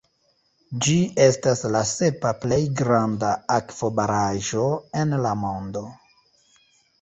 Ĝi estas la sepa plej granda akvobaraĵo en la mondo.